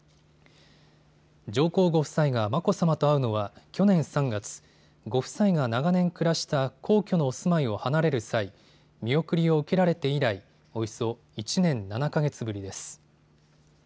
上皇ご夫妻が眞子さまと会うのは去年３月、ご夫妻が長年暮らした皇居のお住まいを離れる際、見送りを受けられて以来、およそ１年７か月ぶりです。